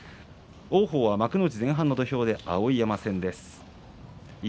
王鵬は幕内前半の土俵で、碧山戦です。